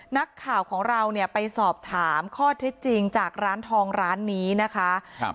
นักข่าวของเราเนี่ยไปสอบถามข้อเท็จจริงจากร้านทองร้านนี้นะคะครับ